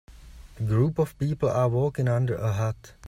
A group of people are walking under a hut.